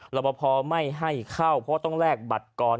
ลบพอร์ไม่ให้เข้าเพราะต้องแลกบัตรกรอน